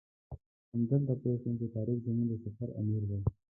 همدلته پوی شوم چې طارق زموږ د سفر امیر دی.